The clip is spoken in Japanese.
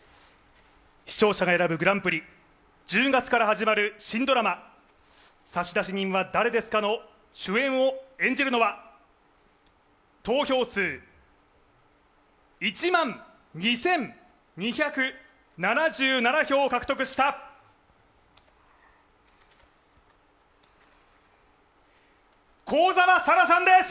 視聴者が選ぶグランプリ、１０月から始まる新ドラマ「差出人は、誰ですか？」の主演を演じるのは投票数１万２２７７票を獲得した幸澤沙良さんです！